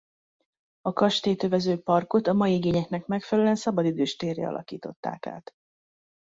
A kastélyt övező parkot a mai igényeknek megfelelően szabadidős térré alakították át.